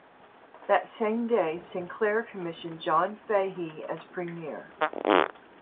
That same day Sinclair commissioned John Fahey as Premier.